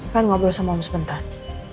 kan ngobrol sama om sebentar